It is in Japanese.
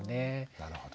なるほど。